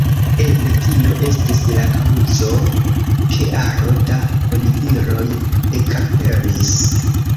Eble tio estis la kaŭzo, ke aro da onidiroj ekaperis.